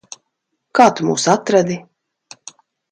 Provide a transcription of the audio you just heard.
Kā tu mūs atradi?